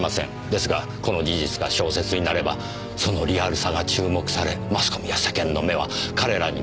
ですがこの事実が小説になればそのリアルさが注目されマスコミや世間の目は彼らに向くでしょう。